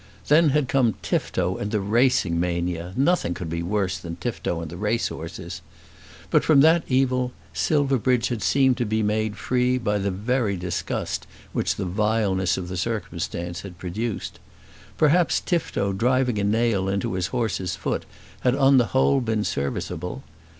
Then had come Tifto and the racing mania. Nothing could be worse than Tifto and race horses. But from that evil Silverbridge had seemed to be made free by the very disgust which the vileness of the circumstance had produced. Perhaps Tifto driving a nail into his horse's foot had on the whole been serviceable.